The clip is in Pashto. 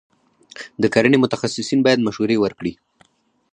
د کرنې متخصصین باید مشورې ورکړي.